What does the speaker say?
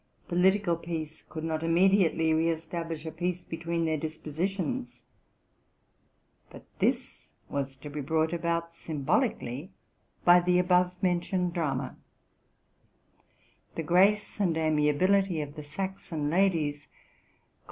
Political peace could not immediately re establish a peace between their dispositions. But this was to be brought about symbolically by the above mentioned 934 TRUTH AND FICTION drama. The grace and amiability of the Saxon ladies con.